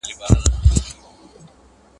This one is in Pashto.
افغانانو تل د پردیو غلامي نه ده منلې.